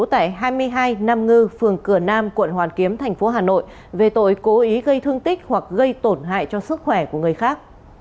tại hai mươi hai nam ngư phường cửa nam quận hoàn kiếm thành phố hà nội về tội cố ý gây thương tích hoặc gây tổn hại cho sức khỏe của người khác